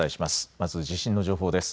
まず地震の情報です。